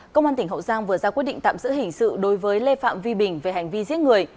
công an tỉnh hậu giang vừa ra quyết định tạm giữ hình sự đối với lê phạm vi bình về hành vi giết người